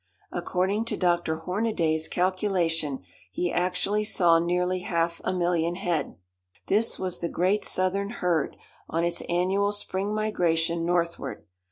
According to Dr. Hornaday's calculation, he actually saw nearly half a million head. This was the great southern herd on its annual spring migration northward.